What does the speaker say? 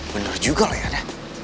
bener juga loh ya deh